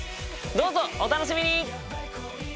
どうぞお楽しみに！